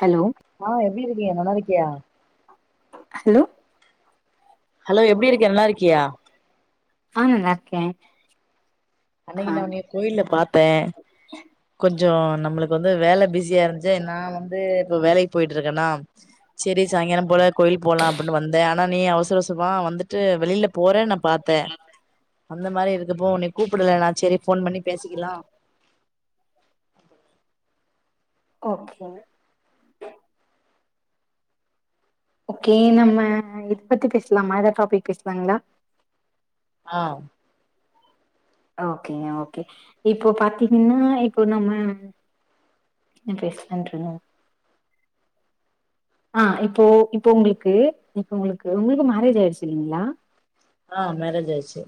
Hello ஆ எப்படி இருக்கீங்க நல்லா இருக்கியா ஹலோ ஹலோ எப்டி இரு இருக்கியா நல்லாருக்கியா ஆ நல்லார்கே அன்னைக்கு நான் உன்னய கோயில்ல பாத்தேன் கொஞ் சோ நம்மளுக்கு வந்து வேலை பிஸியா இருந்த நா வந்து இப்ப வேலை போயிட்டு இருக்கேன்னா சரி சாய்ங்காலம் போல கோயில் போலாம் அப்டின்னு வந்தேன் ஆனா நீ அவசர அவசரமா வந்து ட்டு வெளியில போறே நான் பாத்தேன் அந்த மாரி இருக்குப்போ உன்னய கூப்பிடல நா செரி போன் பண்ணி பேசிக்கலாம் ஓகே ஓகே நம்ம இத பத்தி பேசலாம எதாது டாபிக் பேசலாங்களா ஆ ஓகேங்க ஓகே இப்போ பாத்தீங்கன்னா இப்போ நம்ம என்ன பேசலாம்னு இருந்தோம் ஆ இப்போ இப்போ உங்களுக்கு இப்போ உங்களுக்கு உங்களுக்கு மேரேஜ் ஆயடுச்சு இல்லைங்களா ஆ மேரேஜ் ஆயிடுச்சு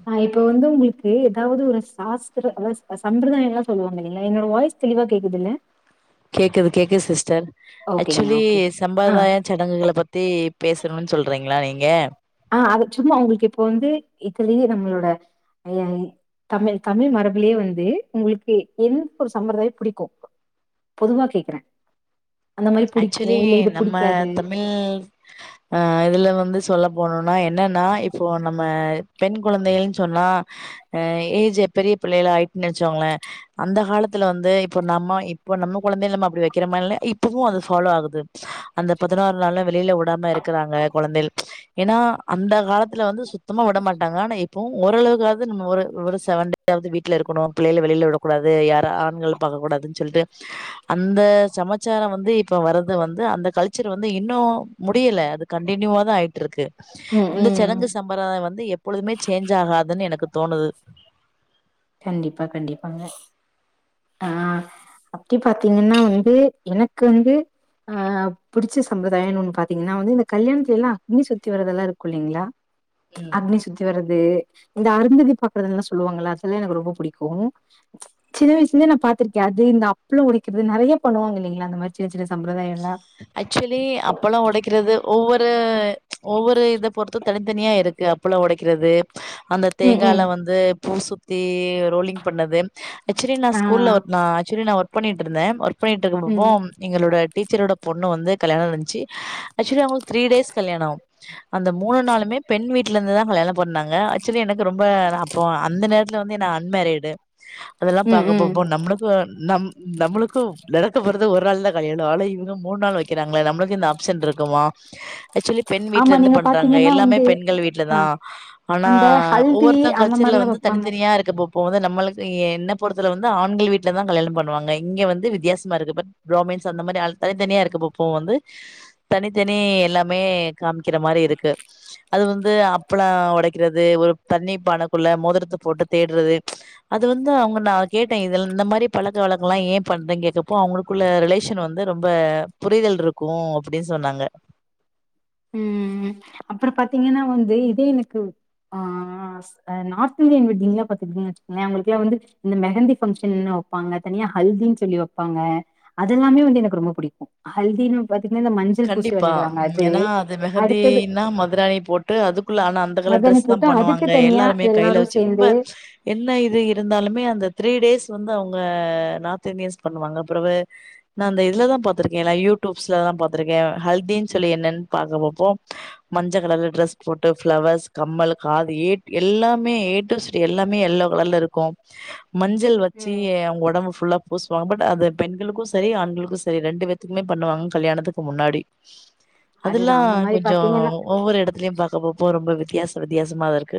க்கு ஏதாது ஒரு சாஸ்திர அ சம்பிரதாயம் எல்லா சொல்லுவாங்க இல்லங்கள என்னோட வாய்ஸ் தெளிவா கேக்குது இல்ல கேக்குது கேக்குது சிஸ்டர் ஓகேங்க ஆக்சுவலி ஓகே ஆ சம்பிரதாய சடங்குகளை பத்தி பேசணும்னு சொல்றீங்களா நீங்க ஆ அது சும்மா உங்களுக்கு இப்ப வந்து இதுலயே நம்மளோட தமிழ் தமிழ் மரபிலயே வந்து உங்களுக்கு எந்த ஒரு சம்பிரதாயம் பிடிக்கும் போதுவா கேக்குறேன் ஆக்சுவலி நம்ம தமிழ் அ இதுல வந்து சொல்ல போணா என்னன்னா இப்போ நம்ம பெண் குழந்தைகள்னு சொன்னா ஏஜ் பெரிய பிள்ளைல ஆயிட்டு நினைச்சோங்களேன் அந்த காலத்துல வந்து இப்ப நம்ம இப்போ நம்ம குழந்தை நம்ம அப்டி வைக்கிறமோ இ இப்பவும் அது பாலோ ஆகுது அந்த பதினாறு நாள்ல வெளியில விடாம இருக்கிறாங்க கொழந்தைலு ஏன்னா அந்த காலத்து ல வந்து சுத்தமா விட மாட்டாங்க ஆனா இப்போ ஓரளவு து நம ஒரு ஒரு சன்டேவாது வீட்ல இருக்கணும் பிள்ளைல வெளியில விட கூடாது யாரும் ஆண்கள பாக்க கூடாது சொல்லிட்டு அந்த சம கலச்சாரம் வந்து இப்ப வரது வந்து அந்த கல்ச்சர் வந்து இன்னும் முடியல அது கண்டினியூவா தான் ஆயிட்டு இருக்கு ம் இந்த ம் சடங்கு சம்பரதாயம் வந்து எப்பொழுதுமே சேஞ்ச் ஆகாதுன்னு எனக்கு தோனுது கண்டிப்பா கண்டிப்பாங்க ஆ அப்டி பாத்தீங்கன்னா வந்து எனக்கு வந்து ஆ பிடிச்ச சம்பிரதாயம்னு ஒண்ணு பாத்தீங்கன்னா வந்து இந்த கல்யாணத்துல எல்லாம அக்னி சுத்தி வர்றதெல்லாம் இருக்கும் இல்லங்களா ம் அக்னி சுத்தி வர்றது இந்த அருந்ததி பாக்குறதுல்லா சொல்லுவாங்களா அதுலா எனக்கு ரொம்ப பிடிக்கு சின்ன வயசு இருந்தே நா பா்த்திருக்கே அது இந்த அப்புளோ உடைக்குறது நிறைய பண்ணுவாங்க இல்லைங்களா அந்த மாதிரி சின்ன சின்ன சம்பிரதாயோ ஆக்சுவலி அப்பல்லா உடைக்கிறது ஒவ்வொரு ஒவ்வொரு இத பொறுத்து தனித்தனியா இருக்கு அப்புளோ ஒடைக்கிறது அந்த ம் தேங்கால ம் வந்து பூ சுத்தி ரோலிங் பண்ணது ஆக்சுவலி நா ஆ ஸ்கூல்ல ஒ நா ஆக்சுவலி நா ஒர்க் பண்ணிட்டு இருந்தே பண்ணிட்டு இருக்கப்போ ம் எங்களோட டீச்சரோட பொண்ணு வந்து கல்யாணோ இருந்துச்சு ஆக்சுவலி அவங்களுக்கு திரி டேஸ் கல்யாணோ அந்த மூணு நாளுமே பெண் வீட்டுல இருந்து தா கல்யாணோ பொண்ணாங்க ஆக்சுவலி எனக்கு ரொம்ப அப்போ அந்த நேரத்து இதுல வந்து என்ன அன்மேரிடு அதெல்லா ம் ம் பாக்குறப்போம்போ நம்மளுக்கு நம் நம்மளுக்கு நடக்க போறது ஒரு நாள் தா கல்யாணோ ஆனா இங்கம் மூணு நாள் வைக்கிறாங்களே நம்மளுக்கு இந்த ஆப்சன் இருக்குமா ஆக்சுவலி பெண் வீட்ல ஆமா இருந்து நீங்க பண்றாங்க பாத்தீங்கன்னா எல்லாமே வந்து பெண்கள் வீட்டுல அ தா ஆனா அந்த ஹல்தி ஒவ்வொருத்தரு அந்த கல்ச்சர்ல மாரிலா வந்து வெப்பாங்க தனித்தனியா இருக்க போ இப்போ வந்து நம்மளுக்கு என்ன பொறுத்த வந்து ஆண்கள் வீட்டில் தா கல்யாணோ பண்ணுவாங்க இங்க வந்து வித்தியாசமா இருக்கப்ப ப்ராமின்ஸ் அந்த மாதிரி ஆள் தனித்தனியா இருக்க பப்போ வந்து தனித்தனி எல்லாமே காமிக்கிற மாதிரி இருக்கு அது வந்து அப்பள ஒடைக்கிறது ஒரு தண்ணி பானைக்குள்ள மோதிரத்த போட்டு தேடுறது அது வந்து அவங்க நா கேட்டே இத இந்த மாதிரி பழக்க வழக்கம்லா ஏன் பண்றீங்க கேட்டப்போ அவங்களுக்குள்ள ரிலேஷன் வந்து வந்து ரொம்ப புரிதல் இருக்கு அப்டின்னு சொன்னாங்க ம் அப்புறோ பாத்தீங்கன்னா வந்து இதே எனக்கு ஆ நார்த் இந்தியன் வெட்டிங்லா பாத்துருக்கிங்கன்னா அவங்களுக்குலா வந்து இந்த மெகந்தி பங்ஷன் வைப்பாங்க தனியா ஹல்தின்னு சொல்லி வைப்பாங்க அதெல்லாமே வந்து எனக்கு ரொம்ப புடிக்கு ஹல்தின்னு இந்த மஞ்சள் பூசி கண்டிப்பா விளையாடுவாங்க அது அடுத்தது மதுரானி போட்டு அதுக்குள்ள ஆனா அந்த கலர் மருதாணி டெரஸ் தா போட்டு அதுக்கு பண்ணுவாங்க தனியா எல்லாருமே எல்லாரு கைல வச்சு ரொம்ப சேந்து என்ன இது இருந்தாலுமே அந்த த்ரீ டேஸ் து வந்து அவங்க நார்த் இந்தியன்ஸ் பண்ணுவாங்க அப்புரவு நா ந்த இதுலதா பா்த்திருக்கே யூடியூப்ஸ்லதா பா பாத்திருக்கே ஹல்தின் சொல்லி என்னன்னு பாகபப்போ மஞ்ச கலர்ல ட்ரெஸ் போட்டு ஃப்ளவர்ஸ் கம்மல் காதி ஏ எல்லாமே ஏட்டு சி எல்லாமே எல்லோ கலர்ல ருக்கு மஞ்சள் வச்சி ஏ அவங்க ஒடம்பு ஃபுல்லா பூசுவாங் பட் அது பெண்களுக்கு சரி ஆண்களுக்கும் சரி ரெண்டு வேர்த்துக்குமே பண்ணுவாங்க கல்யாணத்துக்கு கு முன்னாடி அதுதா அதுல்லா அந்த மாரி கொஞ்சோ பாத்தீங்கன்னா ஒவ்வொரு இடத்துலயு பாக்க போப்போ ரொம்ப வி வித்தியாச வித்தியாசமாதா இருக்கு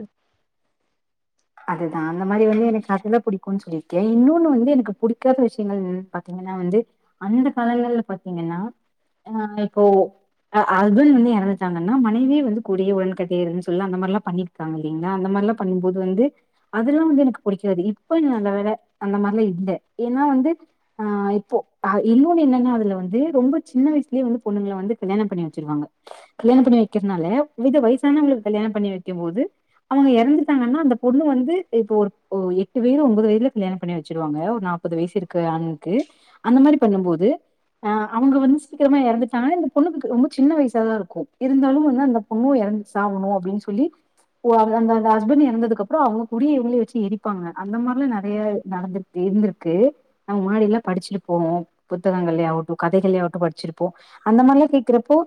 அதுதா அந்த மாரி வந்து எனக்கு அதெல்லாம் புடிக்கும் சொல்லிருக்கேன் இன்னொன்னு வந்து எனக்கு புடிக்காத விஷயங்கள் பாத்தீங்கன்னா வந்து அந்த காலங்கள் பாத்தீங்கன்னா ஆ கோ அ அஸ்பன்டு வந்து எறந்துட்டாங்கன்னா மனைவி வந்து கூடயே உடன் கட்டையா இருன்னு சொல்லா அந்த மாரி லாம் பண்ணிருக்காங்க இல்லைங்களா அந்த மாரி லாம் பண்ணும்போது வந்து அதெல்லாம் வந்து எனக்கு புடிக்காது இப்ப நல்ல வேல அந்த மாரிலாம் இல்ல ஏன்னா வந்து ஆ இப்போ ஆ இன்னொன்னு என்னன்னா அதுல வந்து ரொம்ப சின்ன வயசுலே வந்து பொண்ணுங்கள வந்து கல்யாணம் பண்ணி வச்சிருவாங்க கல்யாணம் பண்ணி வைக்கிறனால வித வயசானவங்களுக்கு கல்யாணம் பண்ணி வக்கம் போது அவுங்க எறந்துட்டாங்கன்னா அந்த பொண்ணு வந்து இப்போ ஒரு ஒ எட்டு வயது ஒன்பது வயதுல கல்யாணம் பண்ணி வச்சிருவாங்க ஒரு நாப்பது வயசு இருக்கு ஆணுக்கு அந்த மாரி பண்ணும் போது ஆ அவுங்க வந்து சீக்கிரமா எறந்துட்டாங்கன்னா இந்த பொண்ணுக்கு ரொம்ப சின்ன வயச தான் இருக்கும் இருந்தாலும் வந்து அந்த பொண்ணும் எறந்து சாகனு அப்டின் சொல்லி ஓ அந்தந்த அந்த ஹஸ்பண்ட் எறந்ததுக்கு அப் அப்புறம் அவுங்க கூடியு இவுங்களியு வச்சி எரிப்பாங்க அந்த மாரிலாம் நெறையா நடந்துரு இருந்திருக்கு நா முன்னாடி எல்லாம் படிச்சிட்டு போவோம் புத்தகங்களயாவட்டும் கதைகளையாவட்டும் படிச்சிருப்போம் அந்த மாரிலாம் கேக்கறப்போ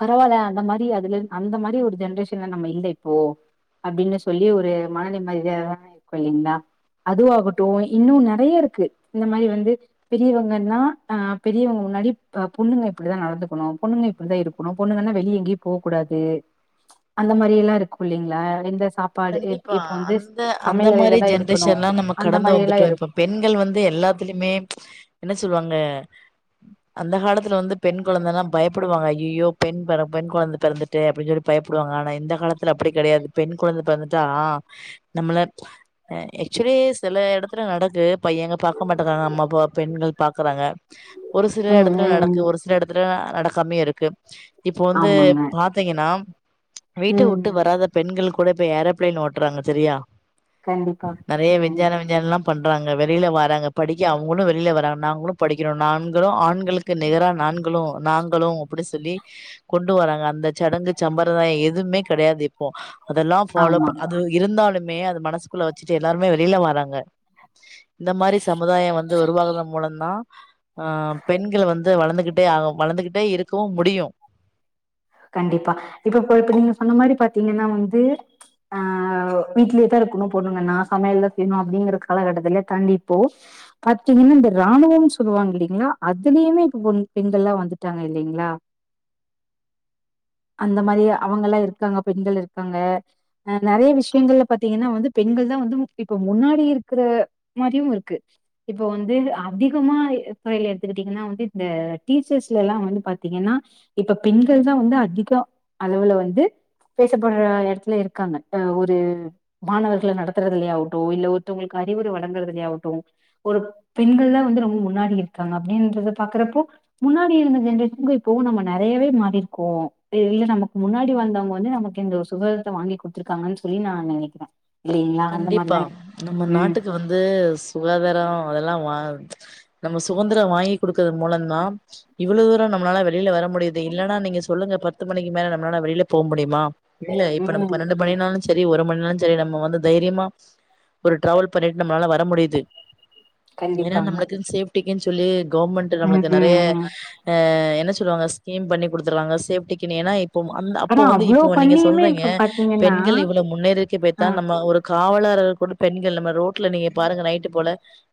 பரவாயில்ல அந்த மாரி அதுல அந்த மாரி ஒரு ஜென்ரேஷன்ல நம்ம இல்லை இப்போ அப்படின்னு சொல்லி ஒரு மனநிம்மதியாதா இருக்கும் இல்லைங்களா அது ஆகட்டும் இன்னும் நெறையா இருக்கு இந்த மாரி வந்து பெரியவங்கன்னா ஆ பெரியவங்க முன்னாடி ப பொண்ணுங்க இப்டிதான் நடந்துக்குணும் பொண்ணுங்க இப்படிதான் இருக்கணும் பொண்ணுங்கன்னா வெளிய எங்கயும் போ கூடாது அந்த மாரி எல்லாம் இருக்கும் இல்லைங்களா எந்த சாப்பாடு ஏ இப்ப அந்த அந்த மாரி ஜென்ரேஷன்லாம் நம்ம அந்த கடந்து மாரி எல்லா வந்துட்டோம் இப்ப இருக்கு பெண்கள் வந்து எல்லாத்துலயுமே என்ன சொல்லுவாங்க அங்க அந்த காலத்துல வந்து பெண் கொழந்தல்ல பயப்படுவாங்க ஐயய்யோ பெண் பெற பெண் கொழந்த பெறந்துட்டே அப்டின் சொல்லி பயப்டுவாங்க ஆனா இந்த காலத்துல அப்டி கெடையாது பெண் கொழந்த பெறந்துட்டா ஆ நம்மள ஆக்சுவலி சில எடத்துல நடக்கு பையன்ங்க பாக்க மாட்டேக்காங்க அம்மா அப்பாவ பெண்கள் பாக்கறாங்க ஒரு சில ம் எடத்துல நடக்கு ம் ஒரு சில எடத்துல ஆ நடக்காமே இருக்கு இப்போ வந்து ஆமாங்க பாத்தீங்கன்னா வீட்ட ம் உட்டு வராத பெண்கள் கூட இப்ப ஏரா பிளைன் ஓட்றாங்க செரியா கண்டிப்பா நெறையா ம் வெஞ்சானம் வெஞ்சானம் லாம் பண்றாங்க வெளில வராங்க படிக்க அவுங்களும் வெளில வராங்க நாங்களும் படிக்கிறோம் நாண்களும் ஆண்களுக்கு நிகரா நாண்களும் நாங்களும் அப்டி சொல்லி கொண்டு வராங்க அந்த சடங்கு சம்பரம்தாய எதுமே கெடையாது இப்போ அதெல்லாம் ஃபாலோ ப ஆமா அது இருந்தாலுமே அது மனசுக்குள்ள வச்சிட்டு எல்லாருமே வெளில வராங்க இந்த மாரி சமுதாயம் வந்து உருவாகதன் மூலம் தான் ஆ பெண்கள் வந்து வளந்துகிட்டே ஆகு வளந்துகிட்டே இருக்கவும் முடியும் கண்டிப்பா இப்ப இப்ப இப்ப நீங்க சொன்ன மாரி பாத்தீங்கன்னா வந்து ஆ வீட்லேதான் இருக்கணும் பொண்ணுங்கன்னா சமையல்தா செய்யணும் அப்டிங்கிற காலகட்டத்துலே தாண்டி இப்போ பாத்தீங்கின்னா இந்த இராணுவம் சொல்லுவாங்க இல்லைங்களா அதுலயுமே இப்ப பொண் பெண்கள்ல்லாம் வந்துட்டாங்க இல்லைங்களா அந்த மாரி அவங்க எல்லாம் இருக்காங்க பெண்கள் இருக்காங்க ஆ நெறையா விஷியங்கல பாத்தீங்கன்னா வந்து பெண்கள் தான் வந்து இப்ப முன்னாடி இருக்கற மாரியும் இருக்கு இப்ப வந்து அதிகமா ஃப்ரோபைள் எடுத்துக்கிட்டீங்கன்னா வந்து இந்த டீச்சர்ஸ்ல எல்லாம் வந்து பாத்தீங்கன்னா இப்ப பெண் கள் வந்து அதிக அளவுல வந்து பேசப்படற எடத்துல இருக்காங்க ஆ ஒரு மாணவர்கள நடத்துறதுலியா யாவட்டும் இல்ல ஒருத்தவங்களுக்கு அறிவுர வழங்கறதுல யாவட்டும் ஒரு பெண்கள் தான் வந்து ரொம்ப முன்னாடி இருக்காங்க அப்டின்றத பாக்கறப்போ முன்னாடி இருந்த ஜென்ரேஷனுக்கு இப்பவும் நம்ம நெறையாவே மாறி கோம் இல்ல நமக்கு முன்னாடி வந்தவங்க வந்து நமக்கு இந்த சுகந்தர வாங்கி கொடுத்துருக்காங்கன்னு சொல்லி நான் நெனைக்கிற கண்டிப்பா நம்ம நாட்டுக்கு வந்து சுகாதாரோ அதெல்லாம் வா நம்ம சுகந்திரம் வாங்கி கொடுக்கற மூலந்தான் இவ்ளோ தூரம் நம்ளால வெளில வர முடியுது இல்லன்னா நீங்க சொல்லுங்க பத்து மணிக்கு மேலே நம்மளால வெளியில போ முடியுமா இல்ல இப்ப நம்ம ம் பன்னண்டு மணி நாலு சரி ஒரு மண்நாலும் சரி நம்ம வந்து தைரியமா ஒரு டிராவல் பண்ணிட்டு நம்மளால வர முடியுது ஏன்னா கண்டிப்பாங்க நம்மளுக்குனு சேப் [unintelligible] சொல்லு கவர்மெண்ட் ம் நம்மளுக்கு ம் நெறைய ம். அ என்ன சொ ஸ்கீம் பண்ணி குடுத்துருவாங்க சேப்டிக்கு ஏன்னா அந்த அப்போ ஆனா வந்து அவ்ளோ இப்போ நீங்க பண்ணியுமே சொல்றீங்க இப்ப பாத்தீங்கன்னா பெண்கள் இவ்ளோ முன்னேறிருக்க ஆ போயத்தான் நம்ம ஒரு காவலாளர்கள் கூட பெண்கள் நம்ம ரோட்ல நீங்க பாருங்க நைட்டு போல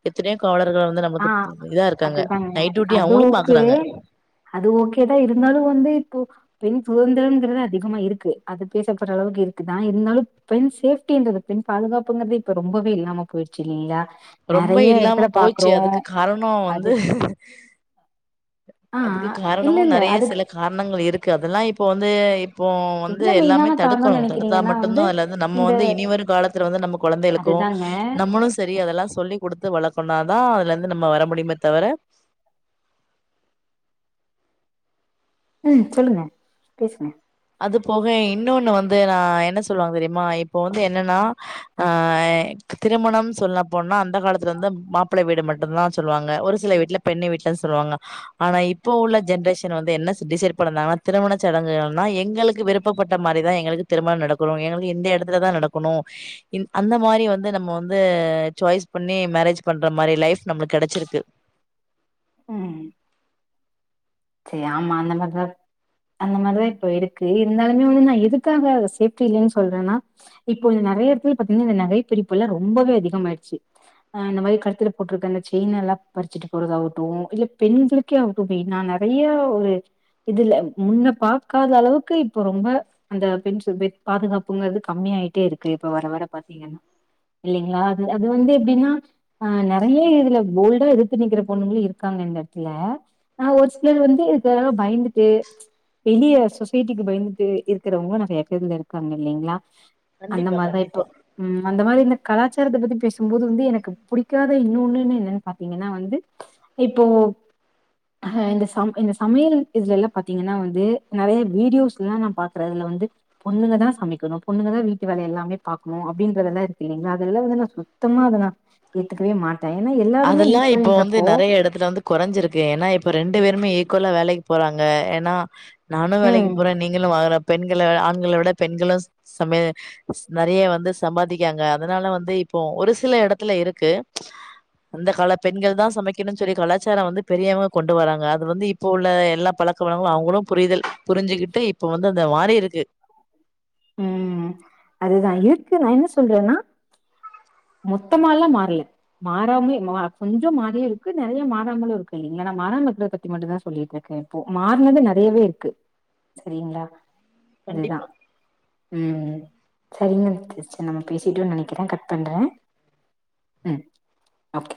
எத்தனயோ காவ ஆ அதுதாங்க நைட் டியூட்டி அது அவங்களு ஓகே பாக்குறாங்க அது ஓகேதான் இருந்தாலும் வந்து இப்போ பெண் சுதந்திரம்ங்கிறது அதிகமா இருக்கு அது பேசப்படுற அளவுக்கு இருக்குதான் இருந்தாலும் பெண் சேஃப்டிங்றது பெண் பாதுகாப்புங்கிறது இப்ப ரொம்பவே இல்லாம போயிடுச்சு இல்லைங்களா ரொம்ப நறைய இல்லாம இடத்துல பா போச்சு அதுக்கு காரணம் வந்து ஆ அதுக்கு இல்ல காரணம இல்ல நெறைய அதுக்கு சில காரணங்கள் இருக்கு அதெல்லாம் இப்போ வந்து இப்போ வந்து என்ன எல்லாமே மெயினான காரணம்னு தடுக்கணும் தடுத்தா நெனைக்கிறீங்கன்னா மட்டும் தான் அது வந்து நம்ம இந்த வந்து இனி வரும் காலத்துல வந்து நம்ம கொழந்தைகளுக்கும் அதுதாங்க நம்மளும் செரி அதெல்லாம் குடுத்து வளர்த்தோன தான் அதுல இருந்து நம்ம வர முடியுமே தவிர ம் சொல்லுங்க பேசுங்க அது போக இன்னொன்னு வந்து நா என்ன சொல்லுவாங்க தெரியுமா இப்போ வந்து என்னன்னா ஆ திருமணம் சொல்ல போனா அந்த காலத்துல வந்து மாப்பிள்ள வீடு மட்டும்தான் சொல்லுவாங்க ஒரு சில வீட்ல பெண்ணு வீட்ல சொல்லுவாங்க ஆனா இப்போ உள்ள ஜென்ரேஷன் வந்து என்ன டிசைட் பண்ணிருந்தாங்கன்னா திருமண சடங்குகள் நா எங்களுக்கு விருப்பப்பட்ட மாரி தான் எங்களுக்கு திருமணம் நடக்கணும் எங்களுக்கு எந்த இடத்துல தான் நடக்கணும் அந்த மாரி வந்து நம்ம வந்துதான் சாய்ஸ் பண்ணி மேரேஜ் பண்ற மாரி லைஃப் நம்மளுக்கு கடைச்சிருக்கு ம் செரி ஆமா அந்த மாரி தா அந்த மாரி தா இப்ப இருக்கு இருந்தாலுமே வந்து நான் எதுக்காக சேஃப்டி இல்லைன்னு சொல்றேன்னா இப்போ நிறைய இடத்துல பாத்தீங்கன்னா இந்த நகை பரிப்புல்ல ரொம்பவே அதிகமயிடுச்சு அ இந்த மாரி கழுத்துல போட்டுருக்க அந்த செயின் எல்லா பறிச்சுட்டு போறது ஆகட்டும் இல்ல பெண்களுக்கே ஆகட்டும் நா நெறைய ஒரு இதுல முன்ன பாக்காத அளவுக்கு இப்ப ரொம்ப அந்த பெண் ப பாதுகாப்புங்கிறது கம்மி ஆயிட்டே இருக்கு இப்ப வர வர பாத்தீங்கன்னா இல்லிங்களா அது அது வந்து எப்டின்னா அ நிறைய இதுல போல்டா எதிர்த்து நிக்கிற பொண்ணுங்களும் இருக்காங்க இந்த இடத்துல ஆ ஒரு சிலர் வந்து இதுக்காக பயந்துட்டு வெளிய சொசைட்டிக்கு பயந்துட்டு இருக்கிறவங்கள நிறைய பேரு இருக்காங்க இல்லைங்களா அந்த கண்டிப்பா, மாரி தான் இப்போ கண்டிப்பா. ம் அந்த மாரி இந்த கலாச்சாரத்தை பத்தி பேச போது வந்து எனக்கு பிடிக்காத இன்னொன்னு என்னன்னு பாத்தீங்கன்னா வந்து இப்போ இந்த இந்த சமையல் இதுல எல்லா பாத்தீங்கன்னா வந்து நிறைய வீடியோஸ் எல்லா நா பாக்குறேன் அதுல வந்து பொண்ணுங்க தான் சமைக்கணும் பொண்ணுங்க தா வீட்டு வேலை எல்லாமே பாக்கணும் அப்டின்றதெல்லாம் இருக்கு இல்லைங்களா அது எல்லா வந்து நான சுத்தமா அதை நா ஏத்துக்கவே மாட்டன் அதெல்லாம் இப்ப வந்து நெறைய இடத்துல வந்து கொறஞ்சிருக்கு ஏன்னா இப்ப ரெண்டு பேருமே இக்குவலா வேலைக்கு போறாங்க ஏன்னா நானும் வேலைக்கு ம் போறேன் நீங்களும் வாங்க பெண் ஆண்களை விட பெண்களும் சம நிறைய வந்து சம்பாதிக்காங்க அதனால வந்து இப்போ ஒரு சில இடத்துல இருக்கு அந்த கால பெண்கள் தான் சமைக்கனும் சொல்லி கலாச்சாரம் வந்து பெரியவங்க கொண்டு வராங்க அது வந்து இப்ப உள்ள எல்லா பழக்கவளங்களும் அவங்களும் புரிதல் புரிஞ்சுக்கிட்டு இப்ப வந்து அந்த மாறி இருக்கு ம் அது தா இருக்கு நா என்ன சொல்றேன்னா மொத்தம எல்லா மாறல மாறாமலே மா கொஞ்சம் மாறியும் இருக்கு நிறைய மாறாமலும் இருக்கு இல்லைங்களா நான் மாறாமல் இருக்கிறத பத்தி மட்டும் தான் சொல்லிட்டு இருக்கேன் இப்போ மாறினது நிறையவே இருக்கு செரிங்களா அது கண்டிப்பா. தான் ம் செரிங்க ம் சிஸ்டர் நம்ம பேசிட்டோனு நெனைக்கிறேன் கட் பண்றேன் ம் ஓகே